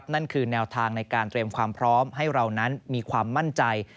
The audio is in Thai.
นั่นคือแนวทางในการเตรียมความพร้อมให้เรานั้นมีความมั่นใจ